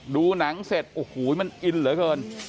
ดูหนังเสร็จโอ้โหมันอินเหลือเกิน